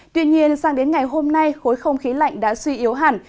tuy nhiên sang đến ngày hôm nay khối không khí lạnh đã suy yếu hẳn